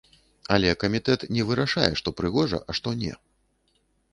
Але камітэт не вырашае, што прыгожа, а што не.